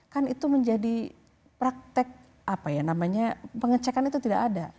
kan itu menjadi praktek apa ya namanya pengecekan itu tidak ada